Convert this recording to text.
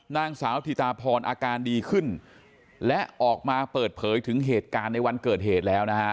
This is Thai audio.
นางสาวธิตาพรอาการดีขึ้นและออกมาเปิดเผยถึงเหตุการณ์ในวันเกิดเหตุแล้วนะฮะ